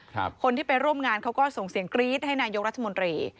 คนที่ไปร่วมงานเขาก็ส่งเสียงกรี๊ดให้นายกรัฐมนตรี